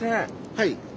はい。